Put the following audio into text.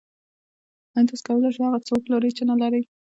آیا تاسو کولی شئ هغه څه وپلورئ چې نلرئ